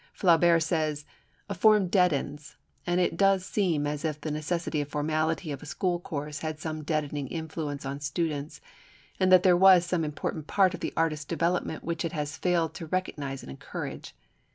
Flaubert says "a form deadens," and it does seem as if the necessary formality of a school course had some deadening influence on students; and that there was some important part of the artist's development which it has failed to recognise and encourage.